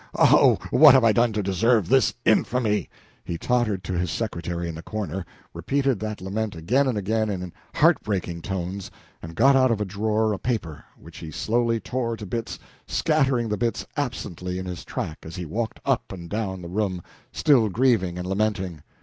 Oh, what have I done to deserve this infamy!" He tottered to his secretary in the corner repeating that lament again and again in heartbreaking tones, and got out of a drawer a paper, which he slowly tore to bits scattering the bits absently in his track as he walked up and down the room, still grieving and lamenting.